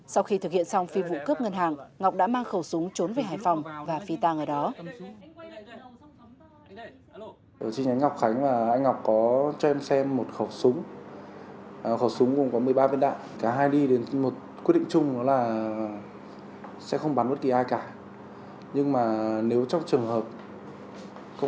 sau khi thực hiện xong phi vụ cướp ngân hàng ngọc đã mang khẩu súng trốn về hải phòng và phi tàng ở đó